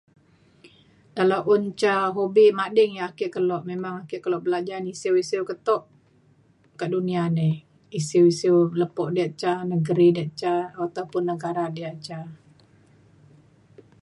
kalau un ca hobi mading ya' ake keluk, memang ake keluk belajan isiu isiu ketok ke dunia ni. isiu isiu lepo' diak ca negeri da' ca ataupun negara diak ca.